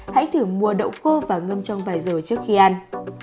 hãy thử mua đậu cô và ngâm trong vài giờ trước khi ăn